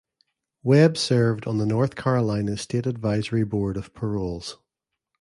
Webb served on the North Carolina State Advisory Board of Paroles.